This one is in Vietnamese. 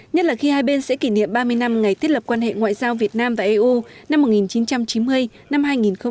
nhất là khi hai bên sẽ kỷ niệm ba mươi năm ngày thiết lập quan hệ ngoại giao việt nam và eu năm một nghìn chín trăm chín mươi hai nghìn hai mươi